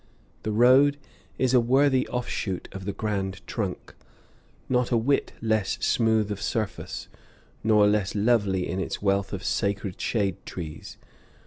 The road is a worthy offshoot of the Grand Trunk, not a whit less smooth of surface, nor less lovely in its wealth of sacred shade trees.